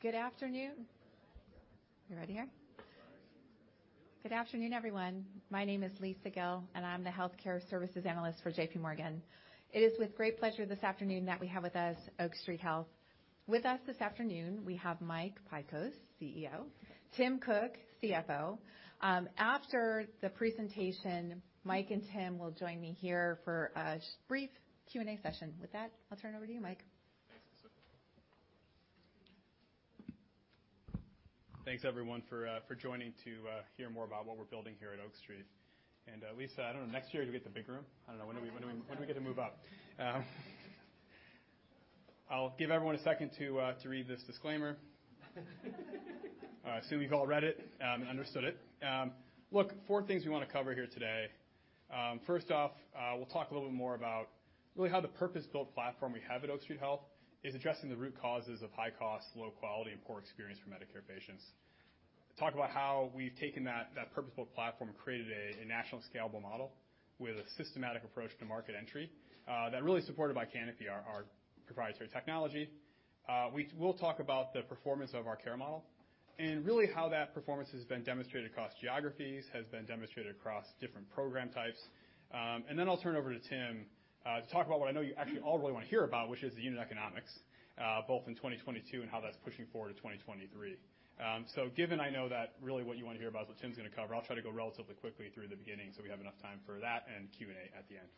Good afternoon. We ready here? Good afternoon, everyone. My name is Lisa Gill, and I'm the Healthcare Services analyst for JPMorgan. It is with great pleasure this afternoon that we have with us Oak Street Health. With us this afternoon, we have Mike Pykosz, CEO, Tim Cook, CFO. After the presentation, Mike and Tim will join me here for a just brief Q&A session. I'll turn it over to you, Mike. Thanks, Lisa. Thanks everyone for joining to hear more about what we're building here at Oak Street. Lisa, I don't know, next year you'll get the big room. I don't know, when do we get to move up? I'll give everyone a second to read this disclaimer. I assume you've all read it and understood it. Look, four things we wanna cover here today. First off, we'll talk a little bit more about really how the purpose-built platform we have at Oak Street Health is addressing the root causes of high cost, low quality, and poor experience for Medicare patients. Talk about how we've taken that purpose-built platform and created a national scalable model with a systematic approach to market entry that really is supported by Canopy, our proprietary technology. We'll talk about the performance of our care model and really how that performance has been demonstrated across geographies, has been demonstrated across different program types. Then I'll turn it over to Tim to talk about what I know you actually all really wanna hear about, which is the unit economics, both in 2022 and how that's pushing forward to 2023. Given I know that really what you wanna hear about is what Tim's gonna cover, I'll try to go relatively quickly through the beginning so we have enough time for that and Q&A at the end.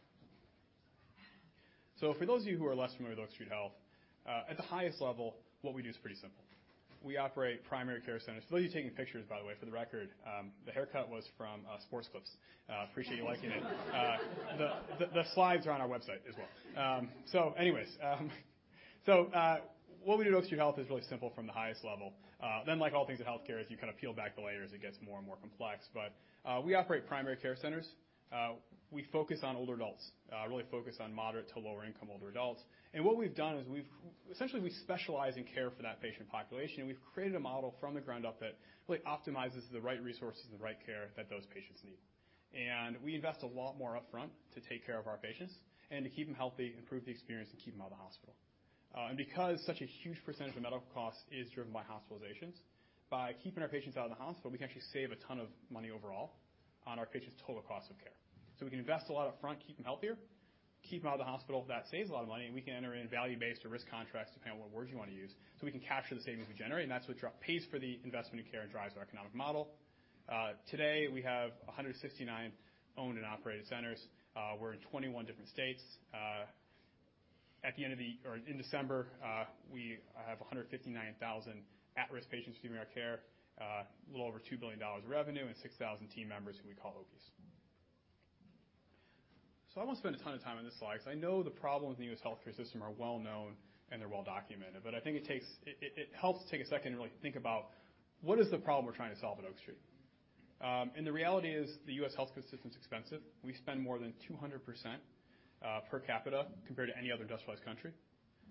For those of you who are less familiar with Oak Street Health, at the highest level, what we do is pretty simple. We operate primary care centers. For those of you taking pictures, by the way, for the record, the haircut was from Sport Clips. Appreciate you liking it. The slides are on our website as well. What we do at Oak Street Health is really simple from the highest level. Like all things in healthcare, as you kinda peel back the layers, it gets more and more complex. We operate primary care centers. We focus on older adults, really focus on moderate to lower income older adults. What we've done is we've... Essentially, we specialize in care for that patient population. We've created a model from the ground up that really optimizes the right resources and the right care that those patients need. We invest a lot more upfront to take care of our patients and to keep them healthy, improve the experience, and keep them out of the hospital. Because such a huge percentage of medical costs is driven by hospitalizations, by keeping our patients out of the hospital, we can actually save a ton of money overall on our patients' total cost of care. We can invest a lot upfront, keep them healthier, keep them out of the hospital. That saves a lot of money, and we can enter in value-based or risk contracts, depending on what words you wanna use, so we can capture the savings we generate, and that's what pays for the investment in care and drives our economic model. Today, we have 169 owned and operated centers. We're in 21 different states. Or in December, we have 159,000 at-risk patients receiving our care, a little over $2 billion of revenue, and 6,000 team members who we call Oakies. I won't spend a ton of time on this slide because I know the problems in the U.S. healthcare system are well known, and they're well documented. I think it takes... It helps to take a second to really think about what is the problem we're trying to solve at Oak Street? The reality is the U.S. healthcare system is expensive. We spend more than 200% per capita compared to any other industrialized country.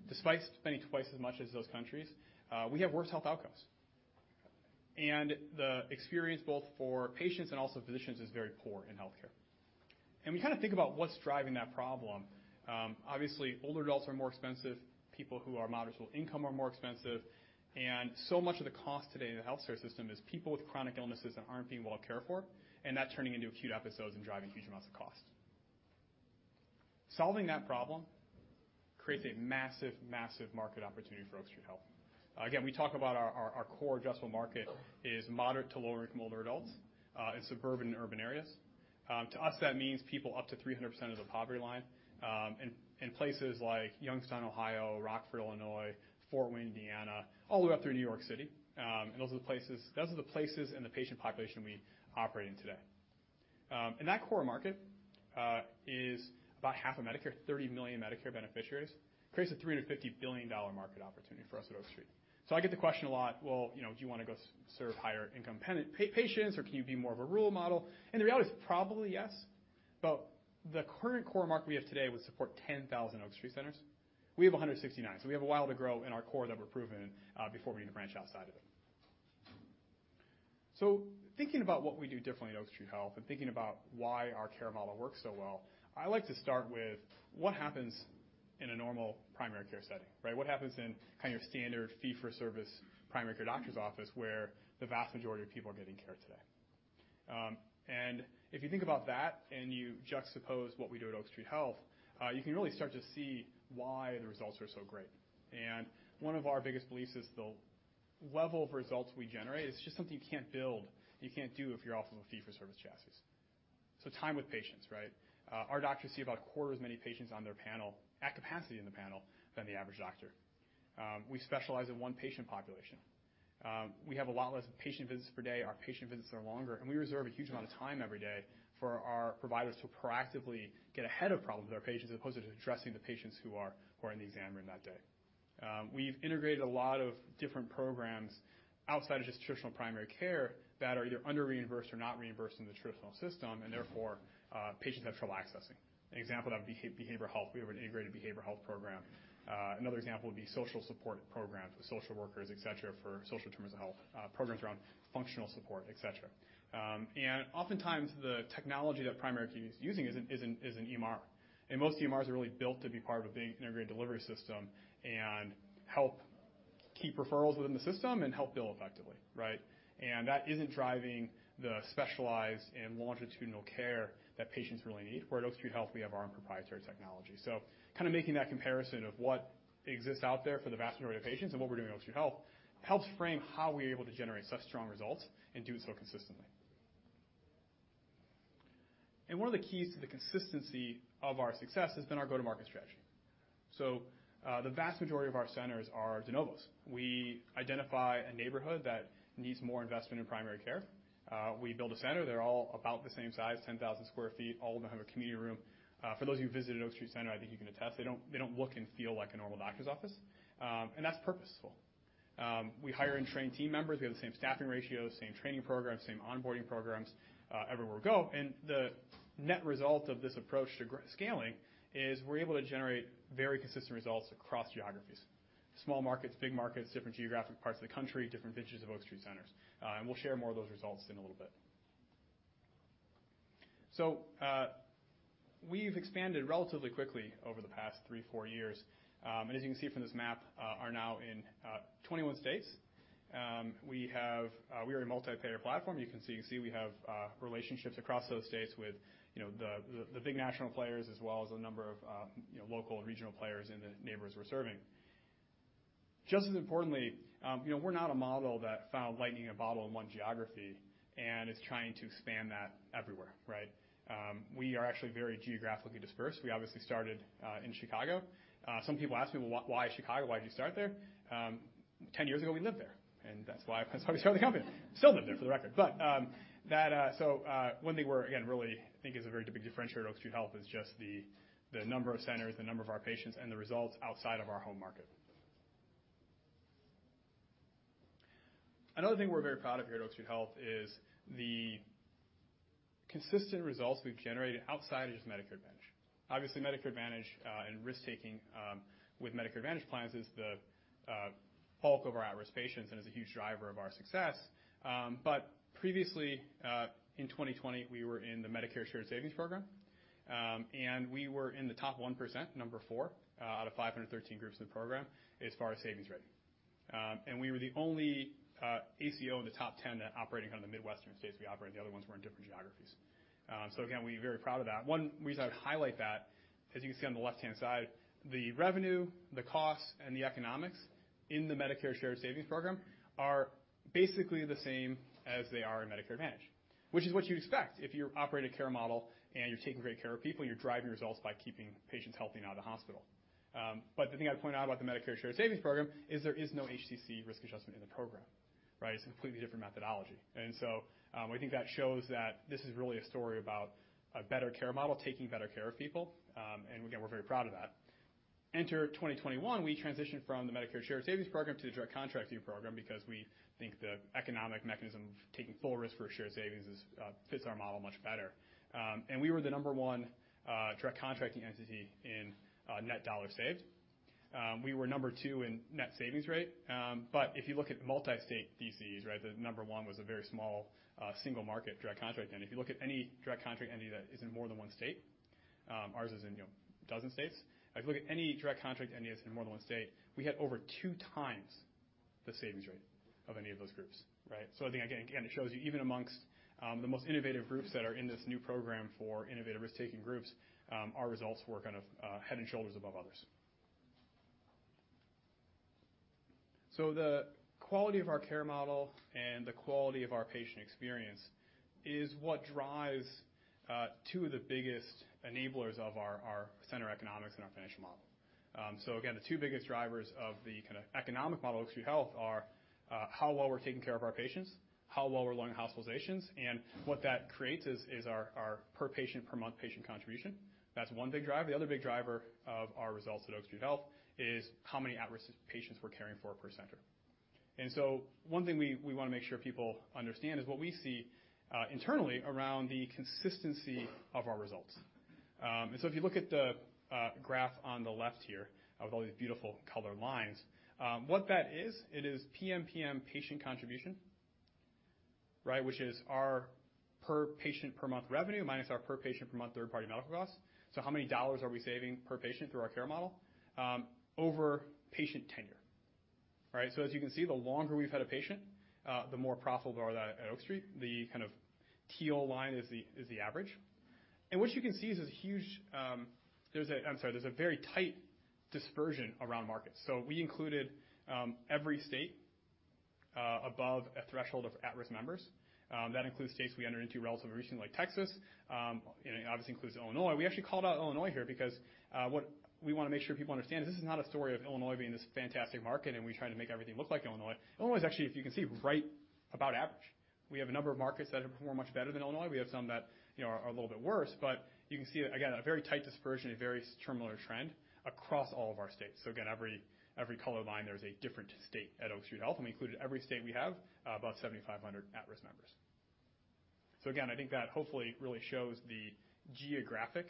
Despite spending twice as much as those countries, we have worse health outcomes. The experience both for patients and also physicians is very poor in healthcare. We kinda think about what's driving that problem. Obviously, older adults are more expensive, people who are moderate sort of income are more expensive, and so much of the cost today in the healthcare system is people with chronic illnesses that aren't being well cared for, and that turning into acute episodes and driving huge amounts of cost. Solving that problem creates a massive market opportunity for Oak Street Health. We talk about our core addressable market is moderate to lower income older adults in suburban and urban areas. To us, that means people up to 300% of the poverty line in places like Youngstown, Ohio, Rockford, Illinois, Fort Wayne, Indiana, all the way up through New York City. Those are the places and the patient population we operate in today. That core market is about half of Medicare, 30 million Medicare beneficiaries. Creates a $3 billion-$50 billion market opportunity for us at Oak Street Health. I get the question a lot, "Well, you know, do you wanna go serve higher income patients, or can you be more of a rural model?" The reality is, probably yes, but the current core market we have today would support 10,000 Oak Street centers. We have 169, so we have a while to grow in our core that we're proven before we need to branch outside of it. Thinking about what we do differently at Oak Street Health and thinking about why our care model works so well, I like to start with what happens in a normal primary care setting, right? What happens in kind of your standard fee-for-service primary care doctor's office where the vast majority of people are getting care today. If you think about that and you juxtapose what we do at Oak Street Health, you can really start to see why the results are so great. One of our biggest beliefs is the level of results we generate is just something you can't build, you can't do if you're off of a fee-for-service chassis. Time with patients, right? Our doctors see about a quarter as many patients on their panel at capacity in the panel than the average doctor. We specialize in one patient population. We have a lot less patient visits per day. Our patient visits are longer, and we reserve a huge amount of time every day for our providers to proactively get ahead of problems with our patients as opposed to addressing the patients who are in the exam room that day. We've integrated a lot of different programs outside of just traditional primary care that are either under-reimbursed or not reimbursed in the traditional system, patients have trouble accessing. An example of that would be behavioral health. We have an integrated behavioral health program. Another example would be social support programs with social workers, et cetera, for social determinants of health. Programs around functional support, et cetera. Oftentimes, the technology that primary care is using is an EMR. Most EMRs are really built to be part of a big integrated delivery system and keep referrals within the system and help bill effectively, right? That isn't driving the specialized and longitudinal care that patients really need. Where at Oak Street Health, we have our own proprietary technology. Kinda making that comparison of what exists out there for the vast majority of patients and what we're doing at Oak Street Health helps frame how we're able to generate such strong results and do so consistently. One of the keys to the consistency of our success has been our go-to-market strategy. The vast majority of our centers are de novos. We identify a neighborhood that needs more investment in primary care. We build a center. They're all about the same size, 10,000 sq ft. All of them have a community room. For those of you who visited an Oak Street center, I think you can attest, they don't look and feel like a normal doctor's office. And that's purposeful. We hire and train team members. We have the same staffing ratios, same training programs, same onboarding programs, everywhere we go. The net result of this approach to scaling is we're able to generate very consistent results across geographies. Small markets, big markets, different geographic parts of the country, different benches of Oak Street centers. We'll share more of those results in a little bit. We've expanded relatively quickly over the past three, four years. As you can see from this map, are now in 21 states. We are a multi-payer platform. You see we have relationships across those states with, you know, the big national players as well as a number of, you know, local and regional players in the neighbors we're serving. Just as importantly, you know, we're not a model that found lightning in a bottle in one geography and is trying to expand that everywhere, right? We are actually very geographically dispersed. We obviously started in Chicago. Some people ask me, "Well, why Chicago? Why'd you start there?" 10 years ago, we lived there, and that's why, that's why we started the company. Still live there, for the record. That one thing we again really think is a very big differentiator at Oak Street Health is just the number of centers, the number of our patients, and the results outside of our home market. Another thing we're very proud of here at Oak Street Health is the consistent results we've generated outside of just Medicare Advantage. Obviously, Medicare Advantage and risk-taking with Medicare Advantage plans is the bulk of our at-risk patients and is a huge driver of our success. Previously, in 2020, we were in the Medicare Shared Savings Program. We were in the top 1%, four, out of 513 groups in the program, as far as savings rate. We were the only ACO in the top 10 that operated out of the Midwestern states we operate. The other ones were in different geographies. Again, we're very proud of that. One reason I would highlight that, as you can see on the left-hand side, the revenue, the costs, and the economics in the Medicare Shared Savings Program are basically the same as they are in Medicare Advantage, which is what you'd expect if you operate a care model and you're taking great care of people, and you're driving results by keeping patients healthy and out of the hospital. The thing I'd point out about the Medicare Shared Savings Program is there is no HCC risk adjustment in the program, right? It's a completely different methodology. We think that shows that this is really a story about a better care model, taking better care of people. Again, we're very proud of that. Enter 2021, we transitioned from the Medicare Shared Savings Program to the Direct Contracting Program because we think the economic mechanism of taking full risk for shared savings fits our model much better. We were the number one Direct Contracting Entity in net dollars saved. We were number two in net savings rate. If you look at multi-state DCs, right? The number one was a very small, single market Direct Contracting Entity. If you look at any Direct Contracting Entity that is in more than one state, ours is in, you know, 12 states. If you look at any Direct Contracting Entity that's in more than one state, we had over two times the savings rate of any of those groups, right? I think again, it shows you even amongst, the most innovative groups that are in this new program for innovative risk-taking groups, our results were kind of, head and shoulders above others. The quality of our care model and the quality of our patient experience is what drives, two of the biggest enablers of our center economics and our financial model. Again, the two biggest drivers of the kinda economic model of Oak Street Health are, how well we're taking care of our patients, how well we're lowering hospitalizations, and what that creates is our per patient per month patient contribution. That's one big driver. The other big driver of our results at Oak Street Health is how many at-risk patients we're caring for per center. One thing we wanna make sure people understand is what we see internally around the consistency of our results. If you look at the graph on the left here of all these beautiful color lines, what that is, it is PMPM patient contribution. Which is our per patient per month revenue minus our per patient per month third-party medical costs. How many dollars are we saving per patient through our care model over patient tenure? As you can see, the longer we've had a patient, the more profitable they are at Oak Street. The kind of teal line is the average. What you can see is a huge, there's a very tight dispersion around markets. We included every state above a threshold of at-risk members. That includes states we entered into relatively recently, like Texas, and it obviously includes Illinois. We actually called out Illinois here because what we wanna make sure people understand is this is not a story of Illinois being this fantastic market, and we try to make everything look like Illinois. Illinois is actually, if you can see, right about average. We have a number of markets that have performed much better than Illinois. We have some that, you know, are a little bit worse. You can see, again, a very tight dispersion, a very similar trend across all of our states. Again, every color line there is a different state at Oak Street Health, and we included every state we have above 7,500 at-risk members. Again, I think that hopefully really shows the geographic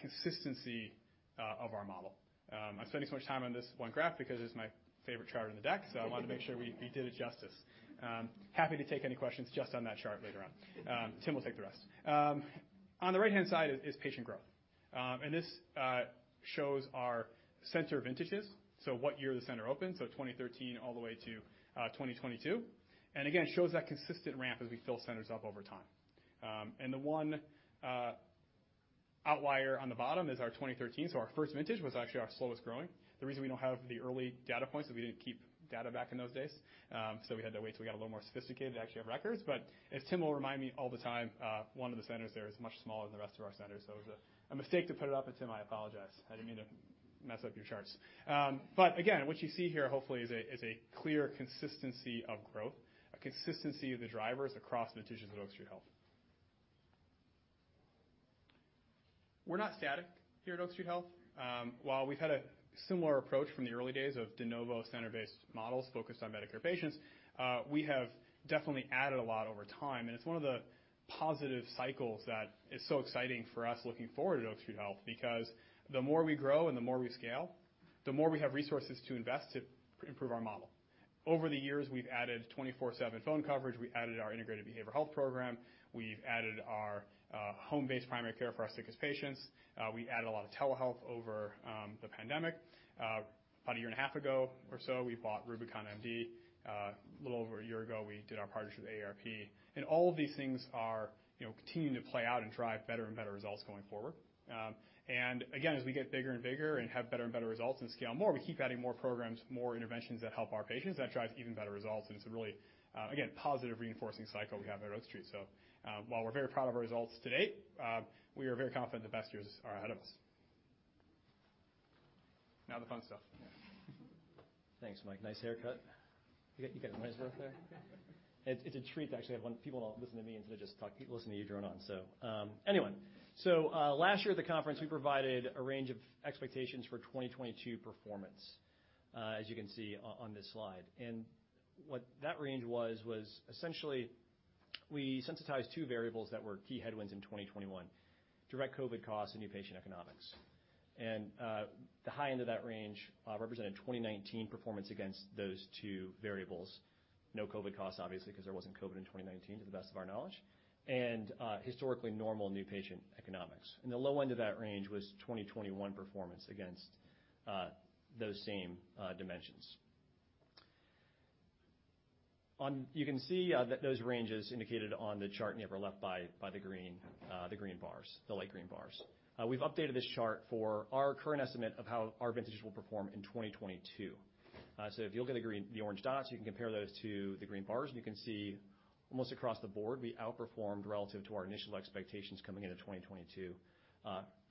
consistency of our model. I'm spending so much time on this one graph because it's my favorite chart in the deck, I wanted to make sure we did it justice. Happy to take any questions just on that chart later on. Tim will take the rest. On the right-hand side is patient growth. This shows our center vintages, so what year the center opened, 2013 all the way to 2022. Again, shows that consistent ramp as we fill centers up over time. The one outlier on the bottom is our 2013, so our first vintage was actually our slowest growing. The reason we don't have the early data points is we didn't keep data back in those days. We had to wait till we got a little more sophisticated to actually have records. As Tim will remind me all the time, one of the centers there is much smaller than the rest of our centers. It was a mistake to put it up, and Tim, I apologize. I didn't mean to mess up your charts. Again, what you see here hopefully is a, is a clear consistency of growth, a consistency of the drivers across the tissues of Oak Street Health. We're not static here at Oak Street Health. While we've had a similar approach from the early days of de novo center-based models focused on Medicare patients, we have definitely added a lot over time, and it's one of the positive cycles that is so exciting for us looking forward at Oak Street Health, because the more we grow and the more we scale, the more we have resources to invest to improve our model. Over the years, we've added 24/7 phone coverage. We added our integrated behavioral health program. We've added our home-based primary care for our sickest patients. We added a lot of telehealth over the pandemic. About a year and a half ago or so, we bought RubiconMD. A little over a year ago, we did our partnership with AARP. All of these things are, you know, continuing to play out and drive better and better results going forward. Again, as we get bigger and bigger and have better and better results and scale more, we keep adding more programs, more interventions that help our patients. That drives even better results, and it's a really, again, positive reinforcing cycle we have at Oak Street. While we're very proud of our results to date, we are very confident the best years are ahead of us. Now the fun stuff. Thanks, Mike. Nice haircut. You got a nice look there. It's a treat to actually have one. People don't listen to me and so they just talk, listen to you drone on. Anyway. Last year at the conference, we provided a range of expectations for 2022 performance, as you can see on this slide. What that range was essentially we sensitized two variables that were key headwinds in 2021, direct COVID costs and new patient economics. The high end of that range represented 2019 performance against those two variables. No COVID costs, obviously, 'cause there wasn't COVID in 2019, to the best of our knowledge, and historically normal new patient economics. The low end of that range was 2021 performance against those same dimensions. You can see those ranges indicated on the chart in the upper left by the green, the green bars, the light green bars. We've updated this chart for our current estimate of how our vintages will perform in 2022. If you'll get the green, the orange dots, you can compare those to the green bars, and you can see almost across the board, we outperformed relative to our initial expectations coming into 2022,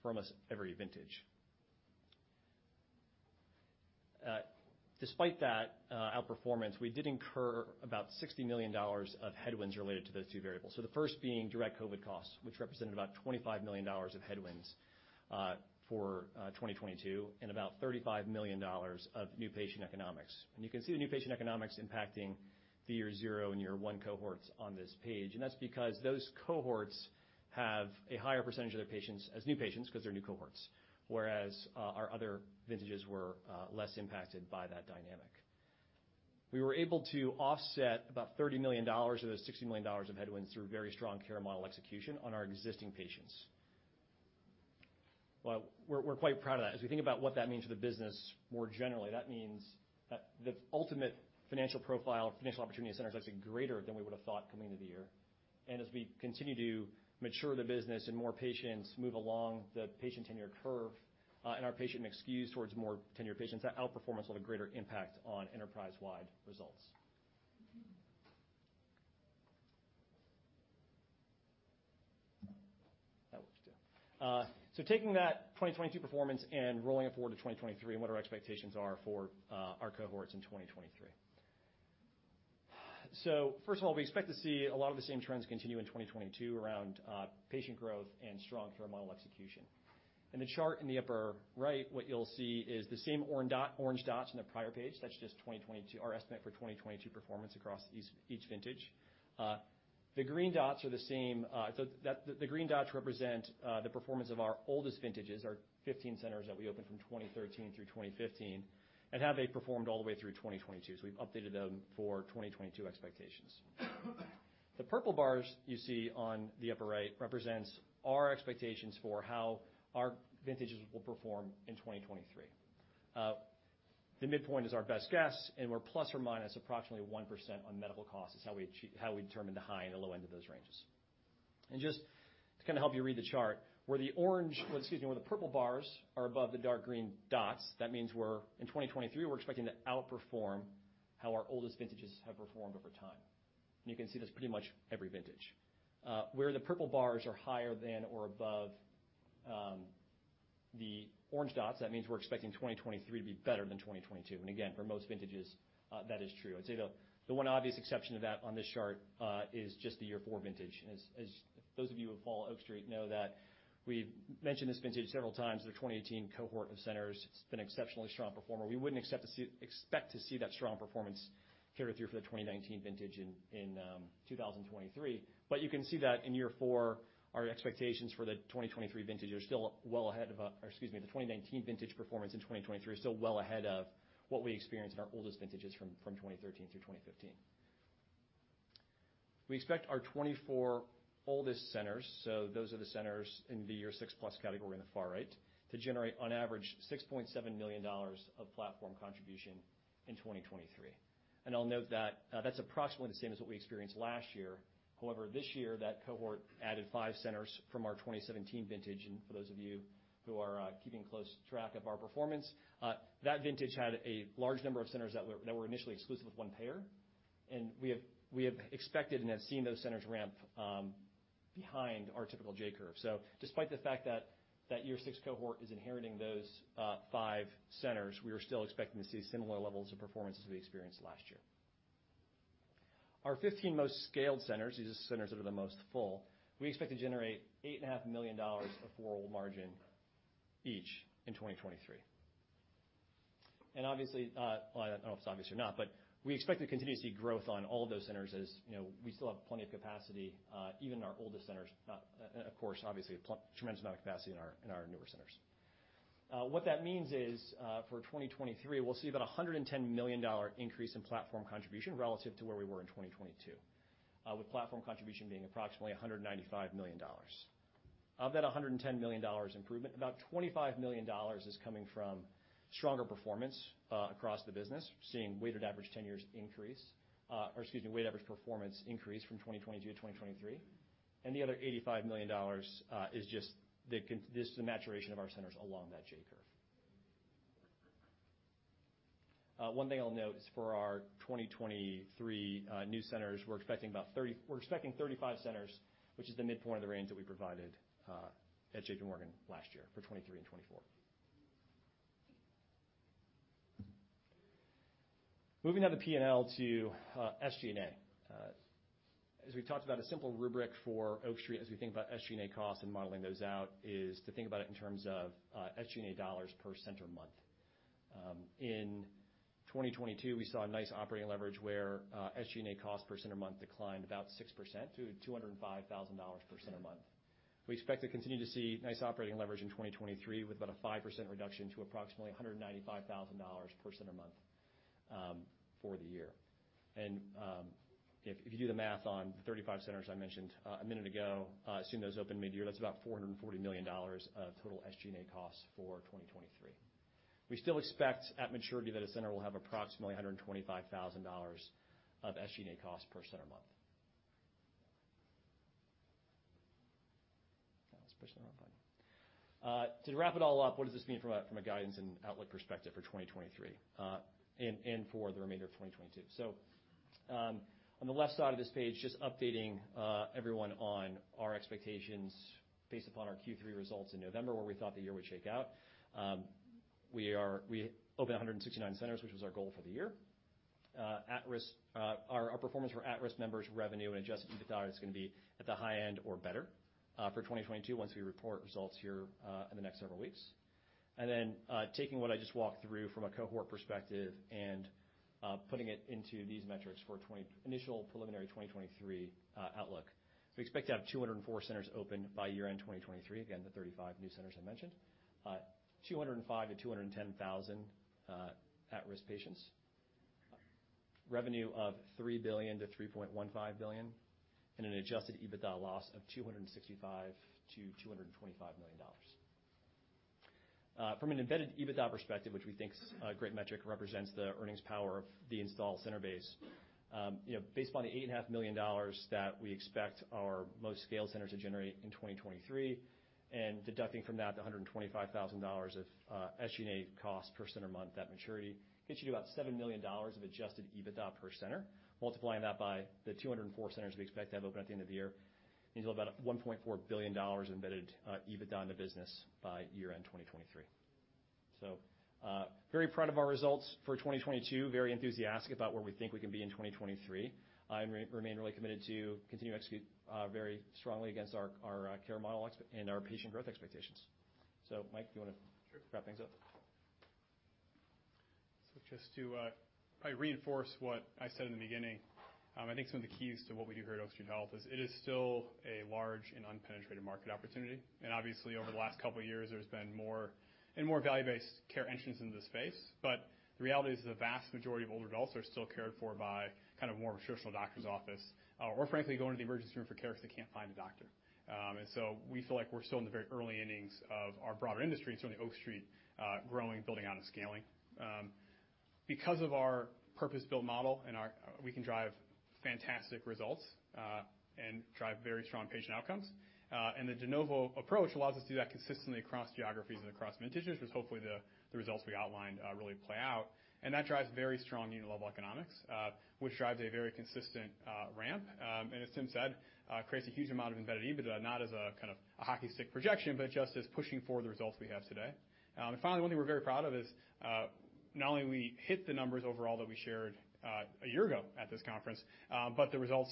from as every vintage. Despite that outperformance, we did incur about $60 million of headwinds related to those two variables. The first being direct COVID costs, which represented about $25 million of headwinds for 2022, and about $35 million of new patient economics. You can see the new patient economics impacting the year zero and year one cohorts on this page, and that's because those cohorts have a higher percentage of their patients as new patients, 'cause they're new cohorts. Whereas, our other vintages were less impacted by that dynamic. We were able to offset about $30 million of those $60 million of headwinds through very strong care model execution on our existing patients. Well, we're quite proud of that. As we think about what that means for the business more generally, that means the ultimate financial profile, financial opportunity center is actually greater than we would've thought coming into the year. As we continue to mature the business and more patients move along the patient tenure curve, and our patient mix skews towards more tenured patients, that outperformance will have a greater impact on enterprise-wide results. That will do. Taking that 2022 performance and rolling it forward to 2023 and what our expectations are for our cohorts in 2023. First of all, we expect to see a lot of the same trends continue in 2022 around patient growth and strong care model execution. In the chart in the upper right, what you'll see is the same orange dots in the prior page. That's just 2022, our estimate for 2022 performance across each vintage. The green dots are the same. That the green dots represent the performance of our oldest vintages, our 15 centers that we opened from 2013 through 2015, and how they performed all the way through 2022. We've updated them for 2022 expectations. The purple bars you see on the upper right represents our expectations for how our vintages will perform in 2023. The midpoint is our best guess, and we're ±1% on medical costs is how we determine the high and the low end of those ranges. Just to kinda help you read the chart, where the orange, or excuse me, where the purple bars are above the dark green dots, that means we're, in 2023, we're expecting to outperform how our oldest vintages have performed over time. You can see that's pretty much every vintage. Where the purple bars are higher than or above the orange dots, that means we're expecting 2023 to be better than 2022. Again, for most vintages, that is true. I'd say the one obvious exception to that on this chart is just the year four vintage. As those of you who follow Oak Street know that we've mentioned this vintage several times. The 2018 cohort of centers has been exceptionally strong performer. We expect to see that strong performance carry through for the 2019 vintage in 2023. You can see that in year four, our expectations for the 2023 vintage are still well ahead of, or excuse me, the 2019 vintage performance in 2023 are still well ahead of what we experienced in our oldest vintages from 2013 through 2015. We expect our 24 oldest centers, so those are the centers in the year six-plus category in the far right, to generate on average $6.7 million of platform contribution in 2023. I'll note that that's approximately the same as what we experienced last year. However, this year that cohort added five centers from our 2017 vintage. For those of you who are keeping close track of our performance, that vintage had a large number of centers that were initially exclusive with one payer. We have expected and have seen those centers ramp behind our typical J curve. Despite the fact that that year six cohort is inheriting those five centers, we are still expecting to see similar levels of performance as we experienced last year. Our 15 most scaled centers, these are centers that are the most full, we expect to generate $8.5 million of overall margin each in 2023. Obviously, well, I don't know if it's obvious or not, but we expect to continue to see growth on all of those centers as, you know, we still have plenty of capacity, even in our oldest centers, and of course, obviously a tremendous amount of capacity in our, in our newer centers. What that means is, for 2023, we'll see about a $110 million increase in platform contribution relative to where we were in 2022, with platform contribution being approximately $195 million. Of that $110 million improvement, about $25 million is coming from stronger performance across the business. We're seeing weighted average 10 years increase, or excuse me, weight average performance increase from 2022 to 2023. The other $85 million is just this is the maturation of our centers along that J-curve. One thing I'll note is for our 2023 new centers, we're expecting 35 centers, which is the midpoint of the range that we provided at JPMorgan last year for 2023 and 2024. Moving down the P&L to SG&A. As we talked about a simple rubric for Oak Street as we think about SG&A costs and modeling those out, is to think about it in terms of SG&A dollars per center a month. In 2022, we saw a nice operating leverage where SG&A cost per center month declined about 6% to $205,000 per center a month. We expect to continue to see nice operating leverage in 2023 with about a 5% reduction to approximately $195,000 per center a month for the year. If you do the math on 35 centers I mentioned a minute ago, assuming those open mid-year, that's about $440 million of total SG&A costs for 2023. We still expect at maturity that a center will have approximately $125,000 of SG&A costs per center a month. I was pushing the wrong button. To wrap it all up, what does this mean from a guidance and outlook perspective for 2023 and for the remainder of 2022? On the left side of this page, just updating everyone on our expectations based upon our Q3 results in November, where we thought the year would shake out. We opened 169 centers, which was our goal for the year. At-risk, our performance for at-risk members revenue and adjusted EBITDA is gonna be at the high end or better for 2022 once we report results here in the next several weeks. Taking what I just walked through from a cohort perspective and putting it into these metrics for initial preliminary 2023 outlook. We expect to have 204 centers open by year-end 2023. Again, the 35 new centers I mentioned. 205,000-210,000 at-risk patients. Revenue of $3 billion-$3.15 billion, and an adjusted EBITDA loss of $265 million-$225 million. From an embedded EBITDA perspective, which we think is a great metric, represents the earnings power of the installed center base. You know, based upon the eight and a half million dollars that we expect our most scaled centers to generate in 2023, deducting from that the $125,000 of SG&A cost per center a month, that maturity gets you to about $7 million of adjusted EBITDA per center. Multiplying that by the 204 centers we expect to have open at the end of the year means about $1.4 billion embedded EBITDA in the business by year-end 2023. Very proud of our results for 2022. Very enthusiastic about where we think we can be in 2023. I remain really committed to continue to execute very strongly against our care model and our patient growth expectations. Mike, you wanna. Sure. Wrap things up? Just to probably reinforce what I said in the beginning, I think some of the keys to what we do here at Oak Street Health is it is still a large and unpenetrated market opportunity. Obviously, over the last couple of years, there's been more and more value-based care entrants into the space. The reality is the vast majority of older adults are still cared for by kind of more traditional doctor's office, or frankly, going to the emergency room for care if they can't find a doctor. We feel like we're still in the very early innings of our broader industry and certainly Oak Street growing, building out, and scaling. Because of our purpose-built model, we can drive fantastic results and drive very strong patient outcomes. The de novo approach allows us to do that consistently across geographies and across vintages, which hopefully the results we outlined really play out. That drives very strong unit level economics, which drives a very consistent ramp. As Tim said, creates a huge amount of embedded EBITDA, not as a kind of a hockey stick projection, but just as pushing forward the results we have today. Finally, one thing we're very proud of is not only we hit the numbers overall that we shared a year ago at this conference, but the results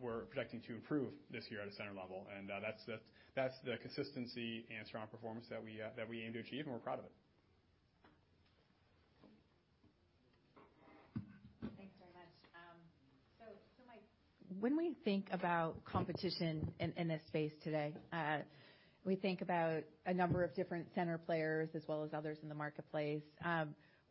we're projecting to improve this year at a center level. That's the, that's the consistency and strong performance that we aim to achieve, and we're proud of it. Thanks very much. Mike, when we think about competition in this space today, we think about a number of different center players as well as others in the marketplace.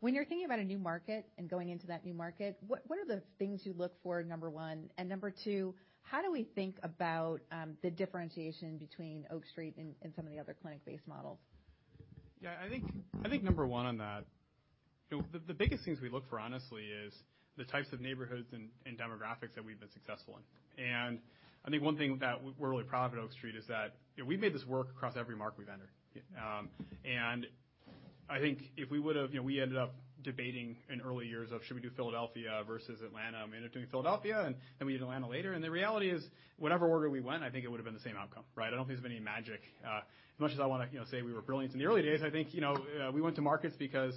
When you're thinking about a new market and going into that new market, what are the things you look for, number one? Number two, how do we think about the differentiation between Oak Street and some of the other clinic-based models? Yeah, I think, I think number one on that, the biggest things we look for honestly is the types of neighborhoods and demographics that we've been successful in. I think one thing that we're really proud of at Oak Street is that, you know, we've made this work across every market we've entered. I think if we would've... You know, we ended up debating in early years of should we do Philadelphia versus Atlanta. We ended up doing Philadelphia, and then we did Atlanta later. The reality is, whatever order we went, I think it would've been the same outcome, right? I don't think there's been any magic. As much as I wanna, you know, say we were brilliant in the early days, I think, you know, we went to markets because,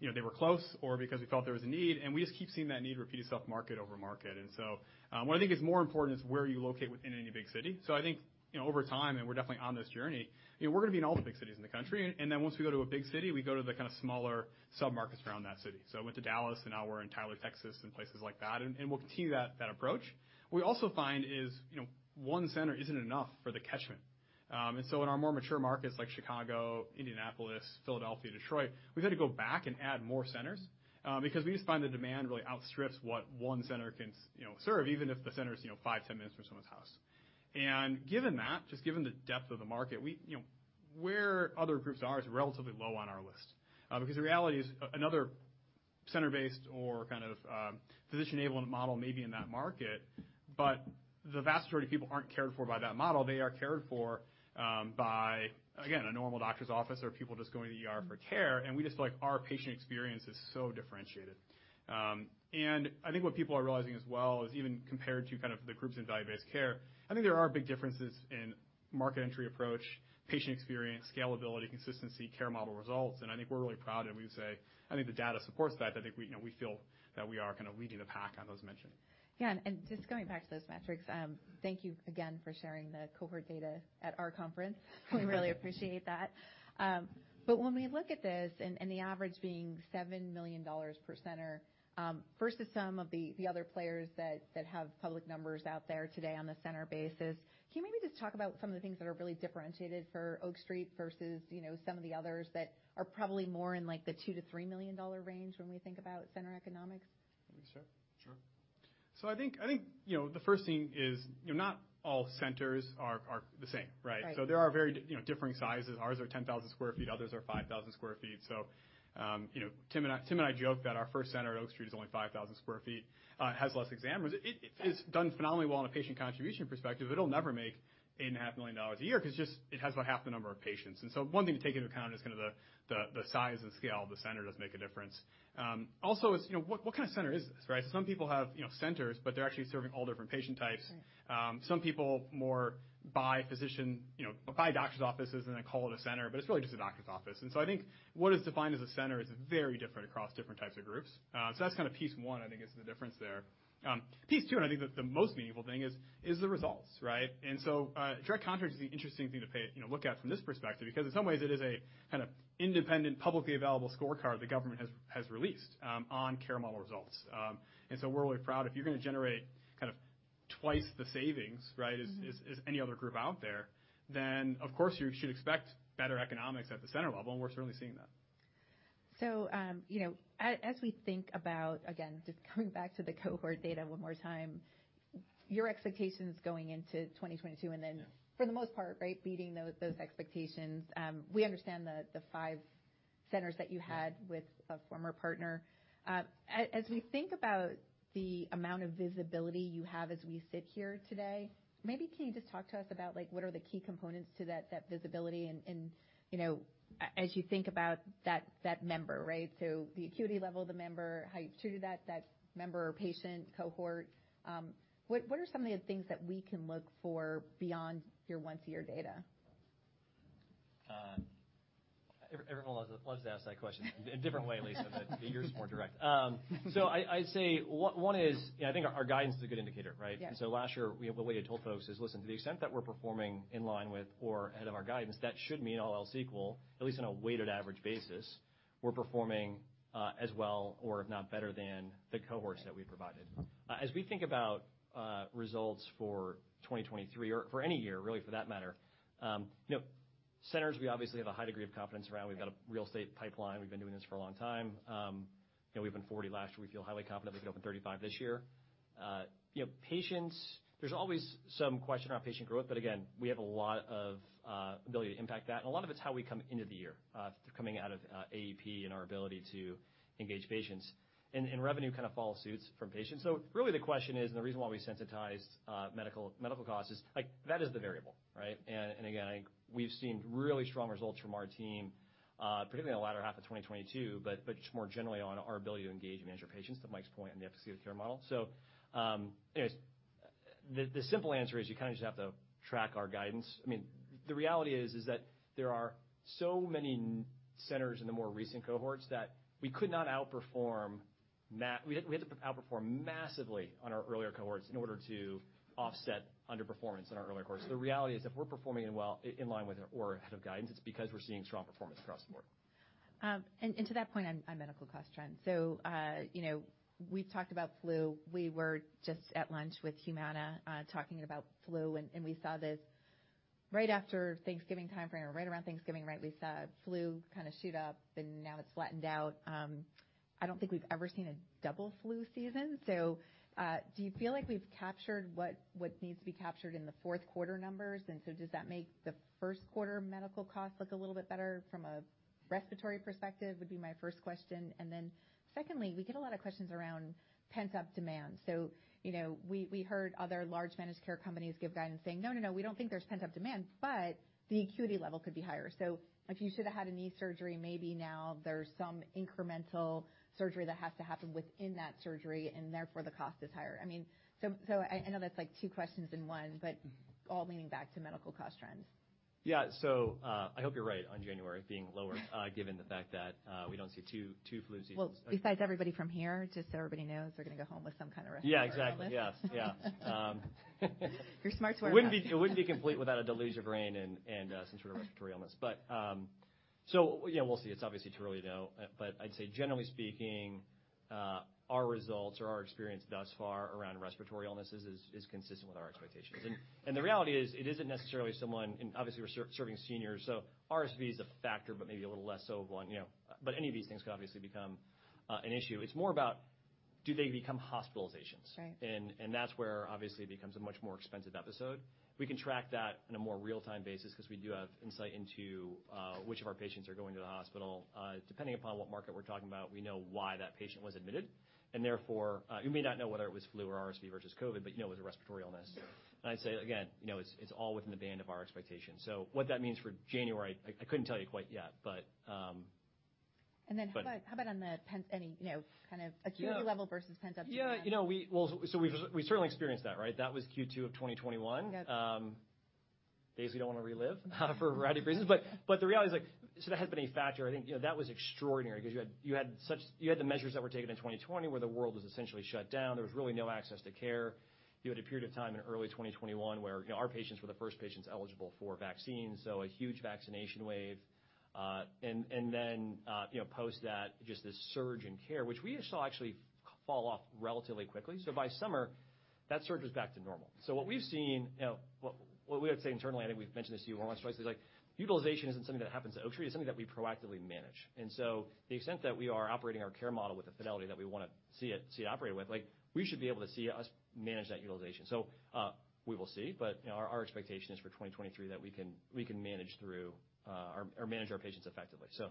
you know, they were close or because we felt there was a need, and we just keep seeing that need repeat itself market over market. What I think is more important is where you locate within any big city. I think, you know, over time, and we're definitely on this journey, you know, we're gonna be in all the big cities in the country. Once we go to a big city, we go to the kinda smaller sub-markets around that city. Went to Dallas, and now we're in Tyler, Texas, and places like that. We'll continue that approach. What we also find is, you know, one center isn't enough for the catchment. In our more mature markets like Chicago, Indianapolis, Philadelphia, Detroit, we've had to go back and add more centers, because we just find the demand really outstrips what one center can you know, serve, even if the center is, you know, five, 10 minutes from someone's house. Given that, just given the depth of the market, we, you know, where other groups are is relatively low on our list. The reality is another center-based or kind of, physician-enabled model may be in that market, but the vast majority of people aren't cared for by that model. They are cared for, by, again, a normal doctor's office or people just going to the ER for care, and we just feel like our patient experience is so differentiated. I think what people are realizing as well is even compared to kind of the groups in value-based care, I think there are big differences in market entry approach, patient experience, scalability, consistency, care model results, and I think we're really proud, and we would say I think the data supports that. I think we, you know, we feel that we are kind of leading the pack on those mentioned. Yeah. Just going back to those metrics, thank you again for sharing the cohort data at our conference. We really appreciate that. When we look at this and the average being $7 million per center, versus some of the other players that have public numbers out there today on the center basis, can you maybe just talk about some of the things that are really differentiated for Oak Street versus, you know, some of the others that are probably more in like the $2 million-$3 million range when we think about center economics? Sure. Sure. I think, you know, the first thing is, you know, not all centers are the same, right? Right. There are very, you know, differing sizes. Ours are 10,000 sq ft, others are 5,000 sq ft. You know, Tim and I joke that our first center at Oak Street is only 5,000 sq ft, has less exam rooms. It's done phenomenally well in a patient contribution perspective, but it'll never make $8.5 million a year 'cause just it has about half the number of patients. One thing to take into account is kinda the size and scale of the center does make a difference. Also is, you know, what kind of center is this, right? Some people have, you know, centers, but they're actually serving all different patient types. Right. Some people more by physician, you know, by doctor's offices, and they call it a center, but it's really just a doctor's office. I think what is defined as a center is very different across different types of groups. That's kinda piece one, I think is the difference there. Piece two, and I think that the most meaningful thing is the results, right? Direct contracts is the interesting thing to pay, you know, look at from this perspective because in some ways it is a kinda independent, publicly available scorecard the government has released, on care model results. We're really proud. If you're gonna generate kind of twice the savings, right. Mm-hmm. As any other group out there, then of course you should expect better economics at the center level, and we're certainly seeing that. You know, as we think about, again, just coming back to the cohort data one more time, your expectations going into 2022, and then. Yeah. For the most part, right, beating those expectations, we understand the five centers that you had with a former partner. As we think about the amount of visibility you have as we sit here today, maybe can you just talk to us about, like, what are the key components to that visibility and, you know, as you think about that member, right? So the acuity level of the member, how you treat that member or patient cohort, what are some of the things that we can look for beyond your once-a-year data? Everyone loves to ask that question. In a different way, Lisa, but yours is more direct. I'd say one is, you know, I think our guidance is a good indicator, right? Yeah. Last year, we, the way I told folks is, listen, to the extent that we're performing in line with or ahead of our guidance, that should mean all else equal, at least on a weighted average basis, we're performing as well or if not better than the cohorts that we provided. As we think about results for 2023 or for any year really for that matter, you know, centers we obviously have a high degree of confidence around. We've got a real estate pipeline. We've been doing this for a long time. You know, we opened 40 last year. We feel highly confident we can open 35 this year. You know, patients, there's always some question on patient growth, but again, we have a lot of ability to impact that and a lot of it's how we come into the year, coming out of AEP and our ability to engage patients. Revenue kind of follows suits from patients. Really the question is, the reason why we sensitized medical costs is, like, that is the variable, right? Again, I, we've seen really strong results from our team, particularly in the latter half of 2022, but just more generally on our ability to engage and manage our patients, to Mike's point, and the efficacy of the care model. Anyways, the simple answer is you kinda just have to track our guidance. I mean, the reality is that there are so many centers in the more recent cohorts that we could not outperform we had to outperform massively on our earlier cohorts in order to offset underperformance in our earlier cohorts. The reality is, if we're performing well in line with or ahead of guidance, it's because we're seeing strong performance across the board. To that point on medical cost trends. You know, we've talked about flu. We were just at lunch with Humana, talking about flu, and we saw this right after Thanksgiving timeframe, or right around Thanksgiving, right, we saw flu kind of shoot up, and now it's flattened out. I don't think we've ever seen a double flu season. Do you feel like we've captured what needs to be captured in the fourth quarter numbers? Does that make the first quarter medical costs look a little bit better from a respiratory perspective, would be my first question. Secondly, we get a lot of questions around pent-up demand. You know, we heard other large managed care companies give guidance saying, "No, no, we don't think there's pent-up demand," but the acuity level could be higher. If you should've had a knee surgery, maybe now there's some incremental surgery that has to happen within that surgery and therefore the cost is higher. I mean, so I know that's like two questions in one, but all leaning back to medical cost trends. Yeah. I hope you're right on January being lower, given the fact that we don't see two flu seasons. Well, besides everybody from here, just so everybody knows, they're gonna go home with some kind of respiratory illness. Yeah, exactly. Yes. Yeah. You're smart to wear a mask. It wouldn't be, it wouldn't be complete without a deluge of rain and some sort of respiratory illness. Yeah, we'll see. It's obviously too early to know. I'd say generally speaking, our results or our experience thus far around respiratory illnesses is consistent with our expectations. And the reality is, it isn't necessarily serving seniors, so RSV is a factor, but maybe a little less so of one, you know. Any of these things could obviously become an issue. It's more about do they become hospitalizations. Right. That's where obviously it becomes a much more expensive episode. We can track that on a more real-time basis because we do have insight into which of our patients are going to the hospital. Depending upon what market we're talking about, we know why that patient was admitted. Therefore, you may not know whether it was flu or RSV versus COVID, but you know it was a respiratory illness. I'd say again, you know, it's all within the band of our expectations. What that means for January, I couldn't tell you quite yet, but. How about on the any, you know, kind of acuity level versus pent-up demand? Yeah. You know, Well, we've certainly experienced that, right? That was Q2 of 2021. Yep. Days we don't wanna relive for a variety of reasons. The reality is like, so that has been a factor. I think, you know, that was extraordinary because you had the measures that were taken in 2020 where the world was essentially shut down. There was really no access to care. You had a period of time in early 2021 where, you know, our patients were the first patients eligible for vaccines, so a huge vaccination wave. You know, post that, just this surge in care, which we saw actually fall off relatively quickly. By summer, that surge was back to normal. What we've seen, you know, what we would say internally, I think we've mentioned this to you more than twice, is like, utilization isn't something that happens to Oak Street, it's something that we proactively manage. The extent that we are operating our care model with the fidelity that we wanna see it operate with, like, we should be able to see us manage that utilization. We will see, but, you know, our expectation is for 2023 that we can manage through, or manage our patients effectively. So.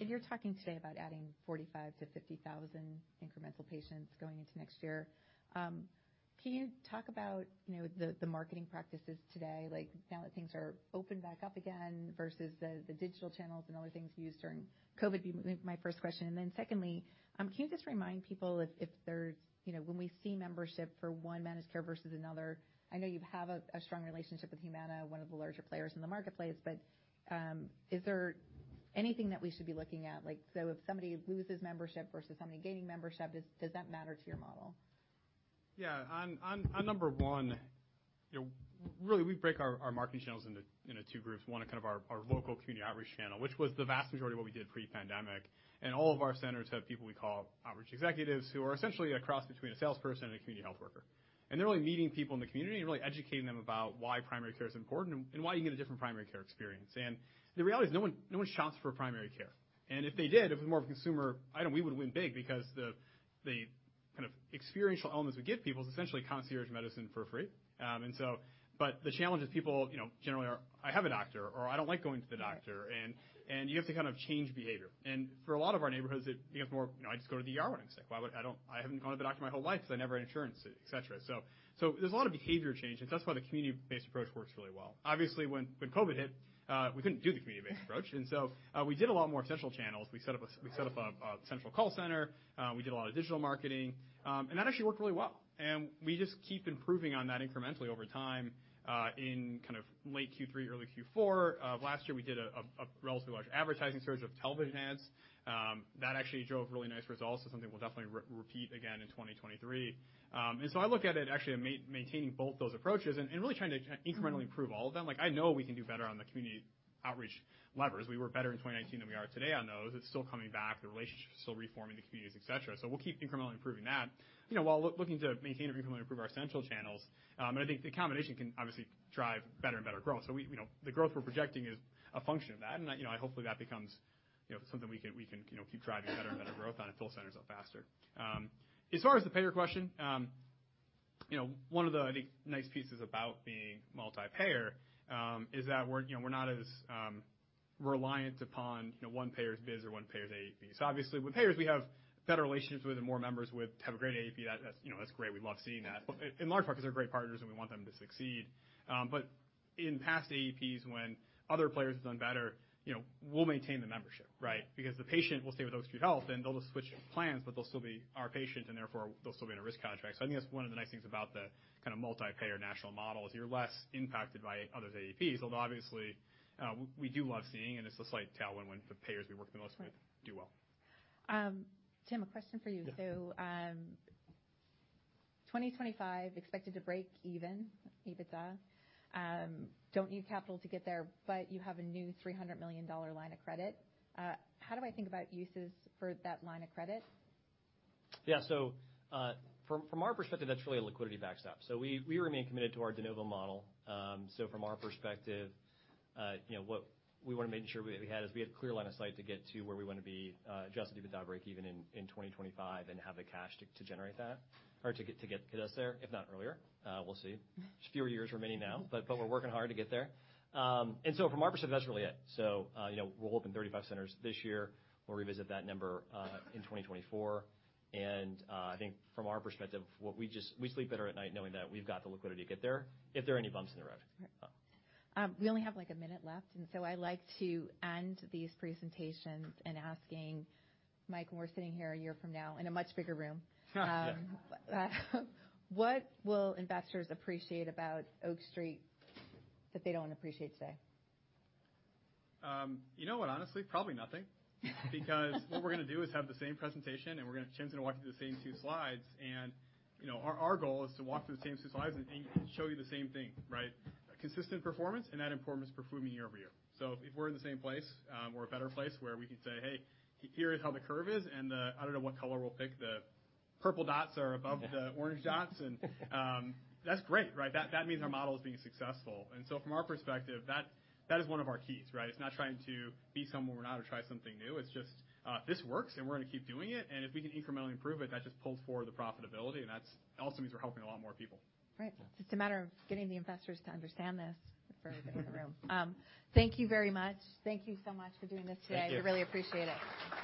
You're talking today about adding 45,000-50,000 incremental patients going into next year. Can you talk about, you know, the marketing practices today, like now that things are open back up again versus the digital channels and other things you used during COVID, would be my first question. Then secondly, can you just remind people if there's, you know, when we see membership for one managed care versus another, I know you have a strong relationship with Humana, one of the larger players in the marketplace, but, is there anything that we should be looking at? Like, so if somebody loses membership versus somebody gaining membership, does that matter to your model? Yeah. On number one, you know, really we break our marketing channels into two groups. One, a kind of our local community outreach channel, which was the vast majority of what we did pre-pandemic. All of our centers have people we call Outreach Executive, who are essentially a cross between a salesperson and a community health worker. They're really meeting people in the community and really educating them about why primary care is important and why you get a different primary care experience. The reality is no one shops for primary care. If they did, if it were more of a consumer item, we would win big because the kind of experiential elements we give people is essentially concierge medicine for free. The challenge is people, you know, generally are, "I have a doctor," or, "I don't like going to the doctor." Right. You have to kind of change behavior. For a lot of our neighborhoods, it becomes more, you know, "I just go to the ER when I'm sick. I haven't gone to the doctor my whole life because I never had insurance," et cetera. There's a lot of behavior change, and that's why the community-based approach works really well. Obviously, when COVID hit, we couldn't do the community-based approach. We did a lot more essential channels. We set up a central call center. We did a lot of digital marketing. That actually worked really well. We just keep improving on that incrementally over time. In kind of late Q3, early Q4 of last year, we did a relatively large advertising series of television ads. That actually drove really nice results. Something we'll definitely repeat again in 2023. I look at it actually maintaining both those approaches and really trying to incrementally improve all of them. Like, I know we can do better on the community outreach levers. We were better in 2019 than we are today on those. It's still coming back, the relationships are still reforming the communities, et cetera. We'll keep incrementally improving that, you know, while looking to maintain or improve our central channels. I think the combination can obviously drive better and better growth. We, you know, the growth we're projecting is a function of that. You know, hopefully, that becomes, you know, something we can, you know, keep driving better and better growth on and fill centers up faster. As far as the payer question, you know, one of the, I think, nice pieces about being multi-payer, is that we're, you know, we're not as reliant upon, you know, one payer's biz or one payer's AEP. Obviously with payers, we have better relationships with and more members with, have a great AEP. That's, you know, that's great. We love seeing that. In large part because they're great partners and we want them to succeed. In past AEPs, when other players have done better, you know, we'll maintain the membership, right? Because the patient will stay with Oak Street Health, and they'll just switch plans, but they'll still be our patient, and therefore they'll still be in a risk contract. I think that's one of the nice things about the kind of multi-payer national model, is you're less impacted by other's AEPs. Although obviously, we do love seeing, and it's a slight tailwind when the payers we work the most with do well. Tim, a question for you. Yeah. 2025 expected to break even, EBITDA. Don't need capital to get there. You have a new $300 million line of credit. How do I think about uses for that line of credit? Yeah. From, from our perspective, that's really a liquidity backstop. We, we remain committed to our de novo model. From our perspective, you know, what we wanna making sure we had is we had clear line of sight to get to where we wanna be, adjusted EBITDA break even in 2025 and have the cash to generate that or to get us there, if not earlier. We'll see. It's fewer years remaining now, but we're working hard to get there. From our perspective, that's really it. You know, we'll open 35 centers this year. We'll revisit that number in 2024. I think from our perspective, we sleep better at night knowing that we've got the liquidity to get there if there are any bumps in the road. Right. We only have, like, one minute left, and so I like to end these presentations in asking Mike, when we're sitting here one year from now in a much bigger room. Yeah. What will investors appreciate about Oak Street that they don't appreciate today? You know what? Honestly, probably nothing. Because what we're gonna do is have the same presentation, Chin's gonna walk you through the same two slides. You know, our goal is to walk through the same two slides and show you the same thing, right? Consistent performance and that importance performing year-over-year. If we're in the same place, or a better place where we can say, "Hey, here is how the curve is," and the I don't know what color we'll pick. The purple dots are above- Yeah. The orange dots and that's great, right? That, that means our model is being successful. From our perspective, that is one of our keys, right? It's not trying to be someone we're not or try something new. It's just, this works and we're gonna keep doing it. If we can incrementally improve it, that just pulls forward the profitability and that's also means we're helping a lot more people. Right. It's a matter of getting the investors to understand this for the room. Thank you very much. Thank you so much for doing this today. Thank you. We really appreciate it.